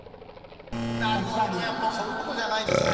そういうことじゃないですね。